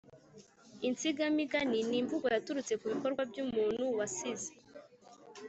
– Insigamigani ni imvugo yaturutse ku bikorwa by’umuntu wasize